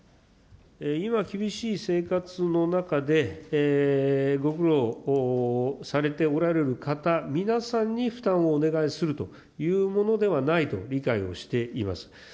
今厳しい生活の中で、ご苦労をされておられる方皆さんに、負担をお願いするというものではないと理解をしています。